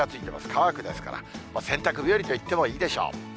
乾くですから、洗濯日和といってもいいでしょう。